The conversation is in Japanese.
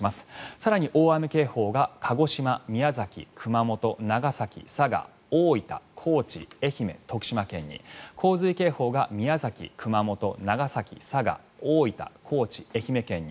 更に、大雨警報が鹿児島、宮崎、熊本長崎、佐賀、大分、高知、愛媛徳島県に洪水警報が宮崎、熊本長崎、佐賀、大分高知、愛媛県に。